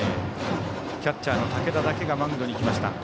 キャッチャーの武田だけがマウンドに行きました。